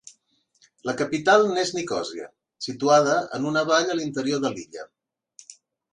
La capital n'és Nicòsia, situada en una vall a l'interior de l'illa.